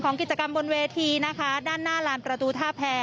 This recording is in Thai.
กิจกรรมบนเวทีนะคะด้านหน้าลานประตูท่าแพร